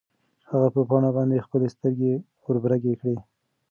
هغه په پاڼه باندې خپلې سترګې وربرګې کړې.